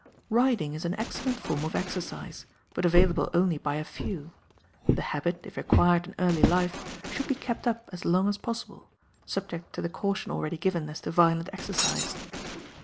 Riding is an excellent form of exercise, but available only by a few; the habit, if acquired in early life, should be kept up as long as possible, subject to the caution already given as to violent exercise.